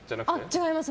違います